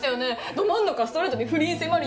ど真ん中ストレートで不倫迫る